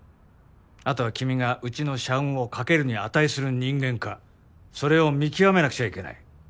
後は君がうちの社運を懸けるに値する人間かそれを見極めなくちゃいけない。